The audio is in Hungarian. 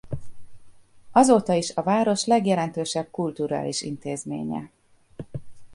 Azóta is a város legjelentősebb kulturális intézménye.